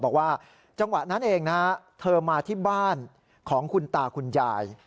บอกว่าจังหวะนั้นเองนะฮะเธอมาที่บ้านของคุณตาคุณยาย